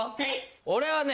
俺はね